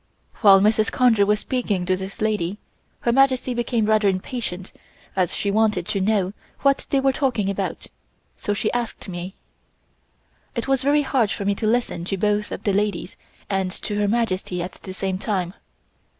While Mrs. Conger was speaking to this lady Her Majesty became rather impatient as she wanted to know what they were talking about, so she asked me. It was very hard for me to listen to both of the ladies and to Her Majesty at the same time.